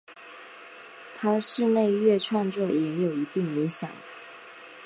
他的室内乐创作也有一定影响。